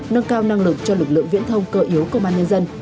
nâng cao năng lực cho lực lượng viễn thông cơ yếu công an nhân dân